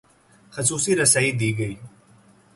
خصوصی رسائی دی گئی